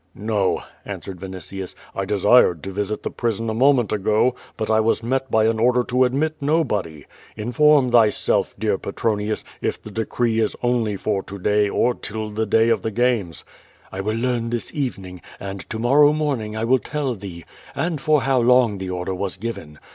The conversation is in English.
"No," answered Vinitius. "1 desired to visit the prison a moment ago, but I was met by an order to admit nobody. In form thyself, dear Petronius, if the decree is only for to day or till the day of the games." "1 will learn this evening, and to morrow morning I will tell thee, and for how long the order was given.